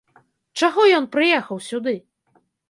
Чаго ён прыехаў сюды?